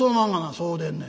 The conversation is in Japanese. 「そうでんねん。